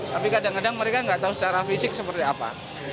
tapi kadang kadang mereka nggak tahu secara fisik seperti apa